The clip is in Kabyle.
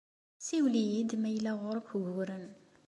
Siwel-iyi-d ma yella Ɣur-k uguren.